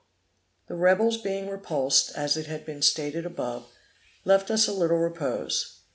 The rebels being repulsed, as it has been stated above, left us a little repose.